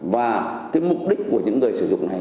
và cái mục đích của những người sử dụng này